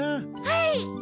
はい。